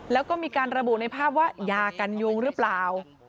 แล้วก็มีการระบุในภาพว่ายากันยุงหรือเปล่า